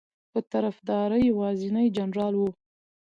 په طرفداری یوازینی جنرال ؤ